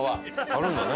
あるんだね。